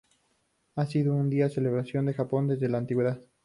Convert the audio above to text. Y ha sido un día de celebración en Japón desde la antigüedad.